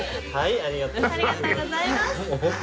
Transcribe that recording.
ありがとうございます。